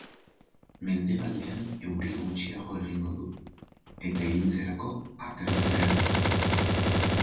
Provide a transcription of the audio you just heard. Mendebaldean euri gutxiago egingo du, eta iluntzerako atertzera egingo du.